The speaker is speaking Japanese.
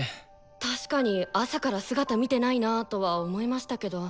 確かに朝から姿見てないなぁとは思いましたけど。